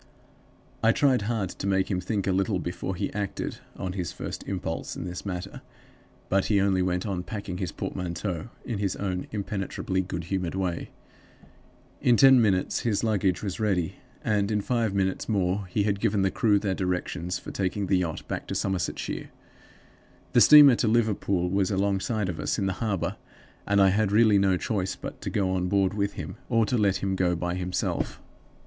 "I tried hard to make him think a little before he acted on his first impulse in this matter; but he only went on packing his portmanteau in his own impenetrably good humored way. In ten minutes his luggage was ready, and in five minutes more he had given the crew their directions for taking the yacht back to Somersetshire. The steamer to Liverpool was alongside of us in the harbor, and I had really no choice but to go on board with him or to let him go by himself.